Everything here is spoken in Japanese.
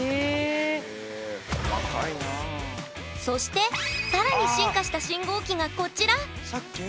そして更に進化した信号機がこちら。